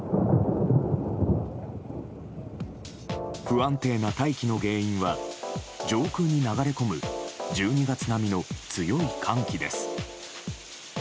不安定な大気の原因は上空に流れ込む１２月並みの強い寒気です。